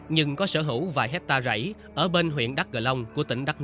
nhưng có sở hữu vài hecta rẫy ở bên huyện đắc gờ long của tỉnh đắk nông